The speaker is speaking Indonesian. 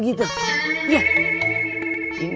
iya ini pasti paket penting nih